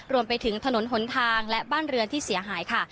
รวมไปถึงถนนหนทางและบ้านเรือนที่เสียหายค่ะ